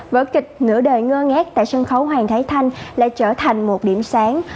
vở kịch nửa đời ngơ ngát tại sân khấu hoàng thái thanh lại trở thành một điểm sáng